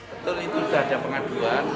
betul itu sudah ada pengaduan